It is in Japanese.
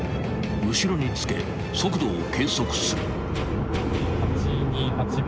［後ろにつけ速度を計測する］